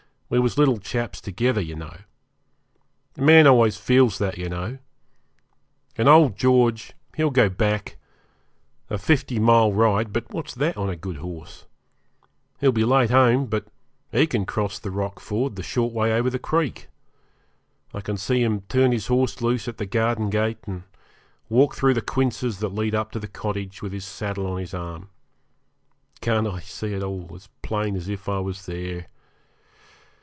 We was little chaps together, you know. A man always feels that, you know. And old George, he'll go back a fifty mile ride, but what's that on a good horse? He'll be late home, but he can cross the rock ford the short way over the creek. I can see him turn his horse loose at the garden gate, and walk through the quinces that lead up to the cottage, with his saddle on his arm. Can't I see it all, as plain as if I was there?